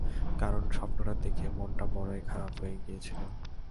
কারণ স্বপ্নটা দেখে মনটা বড়ই খারাপ হয়ে গিয়েছিল।